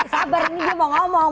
sabar ini dia mau ngomong